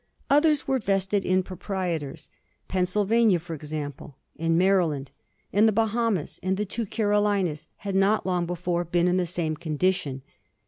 Others were vested in proprietors — Pennsylvania, for example, and Maryland — and the Bahamas and the two Carolinas had not long before been in the same condition.